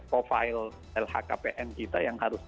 profile lhkpn kita yang harus dilakukan